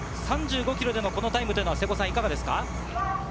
３５ｋｍでのこのタイムはいかがですか？